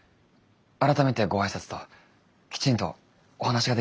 改めてご挨拶ときちんとお話ができればなと。